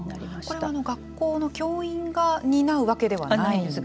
これは学校の教員が担うわけではないんですか。